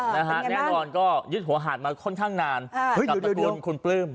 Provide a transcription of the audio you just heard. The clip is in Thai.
แน่นอนยึดหัวหาดมาค่อนข้างนานกับตระกุ้นคุณปลื้ม